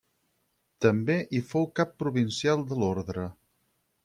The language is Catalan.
També hi fou cap provincial de l'orde.